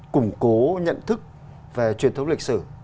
củng cố nhận thức về truyền thống lịch sử